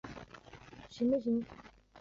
香藜是苋科藜属的植物。